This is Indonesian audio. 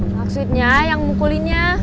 maksudnya yang mukulinnya